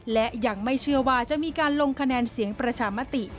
และยังไม่เชื่อว่าจะมีการลงคะแนนเสียงประชามติ